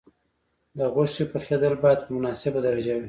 د غوښې پخېدل باید په مناسبه درجه وي.